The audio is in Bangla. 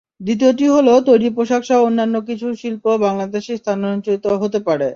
দ্বিতীয়টি হলো, তৈরি পোশাকসহ অন্যান্য কিছু শিল্প বাংলাদেশে স্থানান্তরিত হতে পারে।